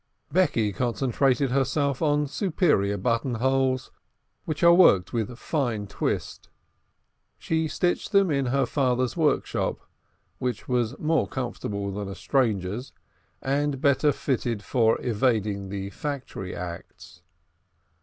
Becky concentrated herself on superior buttonholes, which are worked with fine twist. She stitched them in her father's workshop, which was more comfortable than a stranger's, and better fitted for evading the Factory Acts.